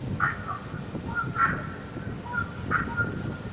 نوي یې راوړي تر اټکه پیغامونه دي،